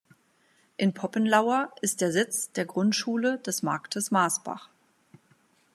In Poppenlauer ist der Sitz der Grundschule des Marktes Maßbach.